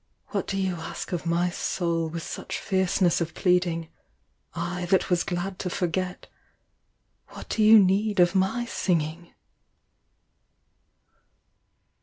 What do you ask of my soul with such fierceness of pleading I that was glad to forget — what do you need of my singing